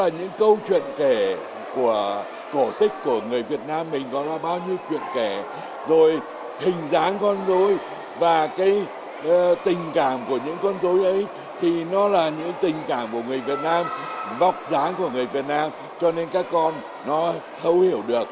những câu chuyện kể của cổ tích của người việt nam mình có ra bao nhiêu chuyện kể rồi hình dáng con rôi và cái tình cảm của những con dối ấy thì nó là những tình cảm của người việt nam vọc dáng của người việt nam cho nên các con nó thấu hiểu được